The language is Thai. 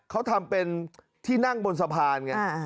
เขาทำเป็นที่นั่งบนสะพานไง